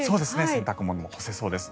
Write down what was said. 洗濯物も干せそうです。